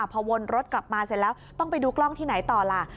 พอวนรถกลับมาเสร็จแล้วต้องไปดูกล้องที่ไหนต่อล่ะ